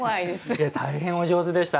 大変お上手でした。